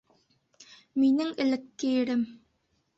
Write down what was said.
Минең элекке ирем!